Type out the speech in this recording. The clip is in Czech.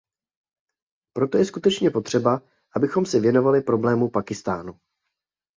Proto je skutečně potřeba, abychom se věnovali problému Pákistánu.